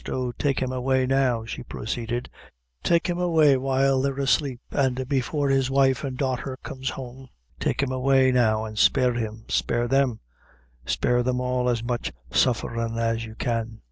Oh, take him away, now," she proceeded, "take him away while they're asleep, an' before his wife and daughter comes home take him away, now; and spare him spare them spare them all as much sufferin' as you can."